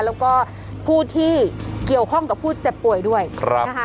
แล้วก็ผู้ที่เกี่ยวข้องกับผู้เจ็บป่วยด้วยนะคะ